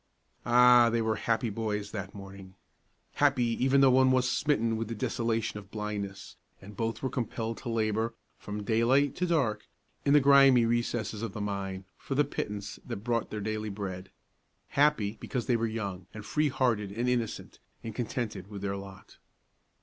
Ah, they were happy boys that morning! happy even though one was smitten with the desolation of blindness, and both were compelled to labor, from daylight to dark, in the grimy recesses of the mine, for the pittance that brought their daily bread; happy, because they were young and free hearted and innocent, and contented with their lot.